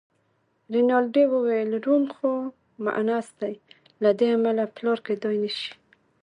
رینالډي وویل: روم خو مونث دی، له دې امله پلار کېدای نه شي.